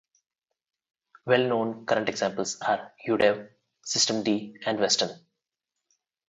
Well-known current examples are udev, systemd and Weston.